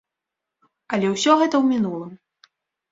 Але ўсё гэта ў мінулым.